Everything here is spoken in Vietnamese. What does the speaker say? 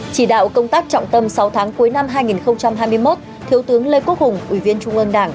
chỉ đạo công tác trọng tâm sáu tháng cuối năm hai nghìn hai mươi một thiếu tướng lê quốc hùng ủy viên trung ương đảng